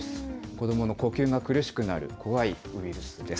子どもの呼吸が苦しくなる、怖いウイルスです。